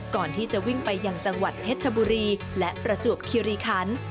ก่อนที่จะวิ่งไปยังจังหวัดเพชรชบุรีและประจวบคิริคัน